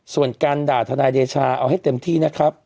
ส่วนการด่าทนายเดชาเอาให้เต็มที่นะครับ